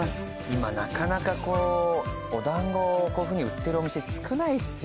今なかなかこうおだんごをこういうふうに売ってるお店少ないですよね。